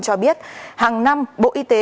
cho biết hàng năm bộ y tế